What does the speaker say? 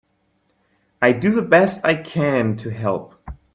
I do the best I can to help.